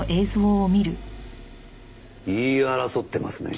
言い争ってますね。